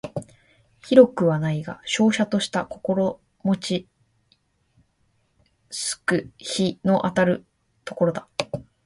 広くはないが瀟洒とした心持ち好く日の当たる所だ